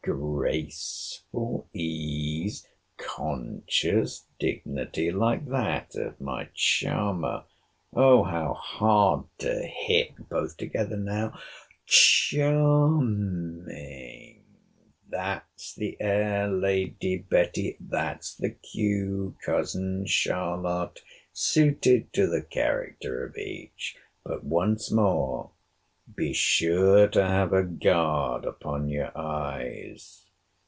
Graceful ease, conscious dignity, like that of my charmer, Oh! how hard to hit! Both together now— Charming!—That's the air, Lady Betty!—That's the cue, Cousin Charlotte, suited to the character of each!—But, once more, be sure to have a guard upon your eyes.